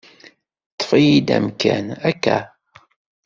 Ṭṭef-iyi-d amkan, akka?